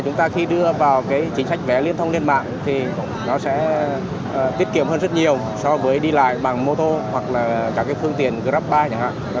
nó sẽ tiết kiệm hơn rất nhiều so với đi lại bằng mô tô hoặc là các phương tiện grabbike